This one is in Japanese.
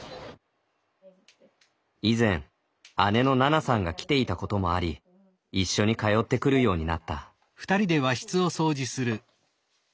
以前姉のななさんが来ていたこともあり一緒に通ってくるようになった。